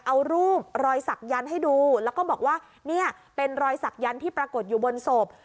เอารูปรอยสักยันต์ให้ดูแล้วก็บอกว่าเนี่ยเป็นรอยศักยันต์ที่ปรากฏอยู่บนศพ